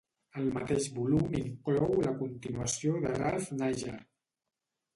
El mateix volum inclou la continuació de Ralph Niger.